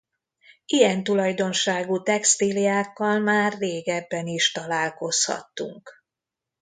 Ilyen tulajdonságú textíliákkal már régebben is találkozhattunk.